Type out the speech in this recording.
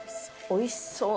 おいしそう。